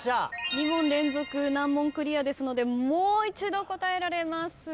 ２問連続難問クリアですのでもう一度答えられます